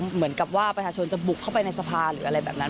เหมือนกับว่าประชาชนจะบุกเข้าไปในสภาหรืออะไรแบบนั้น